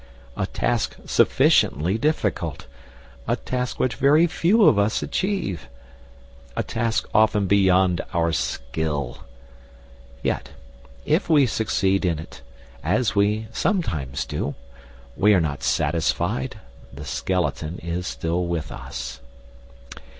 A task sufficiently difficult! A task which very few of us achieve! A task often beyond our skill! Yet, if we succeed in it, as we sometimes do, we are not satisfied; the skeleton is still with us.